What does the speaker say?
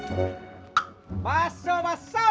mbak so mbak so